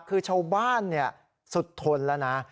คือชาวบ้านสุดทนแล้วนะ